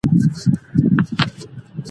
پاچاهان را ته بخښي لوی جاګیرونه ..